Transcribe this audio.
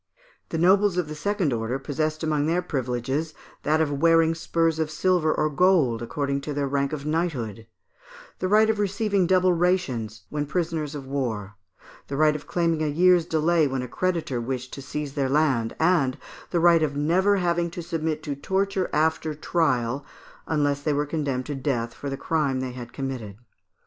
The nobles of second order possessed among their privileges that of wearing spurs of silver or gold according to their rank of knighthood; the right of receiving double rations when prisoners of war; the right of claiming a year's delay when a creditor wished to seize their land; and the right of never having to submit to torture after trial, unless they were condemned to death for the crime they had committed.